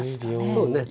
そうね。